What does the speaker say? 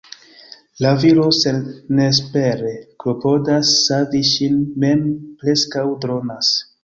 La viro senespere klopodas savi ŝin, mem preskaŭ dronas.